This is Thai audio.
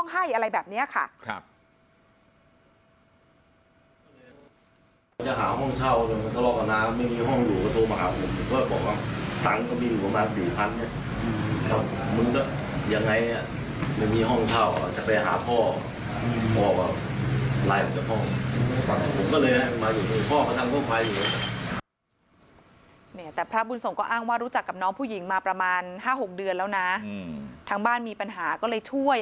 ข้าวผมหาห้องเช้านั้นแบบนั้นจะเลือกกับน้าไม่มีห้องหลุก